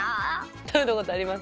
たべたことあります？